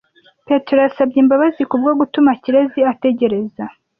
Petero yasabye imbabazi kubwo gutuma Kirezi ategereza.